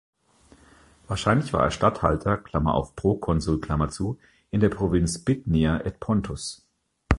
Wahrscheinlich war er Statthalter (Proconsul) in der Provinz Bithynia et Pontus.